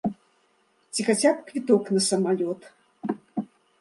Ці хаця б квіток на самалёт.